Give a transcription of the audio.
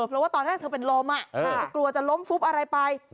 เพราะว่าตอนแรกเธอเป็นลมเธอก็กลัวจะล้มฟุบอะไรไป